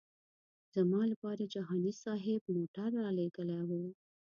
زما لپاره جهاني صاحب موټر رالېږلی و.